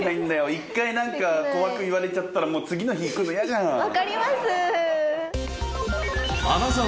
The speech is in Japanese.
１回何か怖く言われちゃったらもう次の日行くの嫌じゃん。